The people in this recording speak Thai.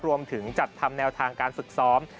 รวมถึงจัดทำแนวทางการฝึกซ้อม